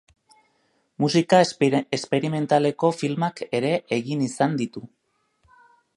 Musika esperimentaleko filmak ere egin izan ditu.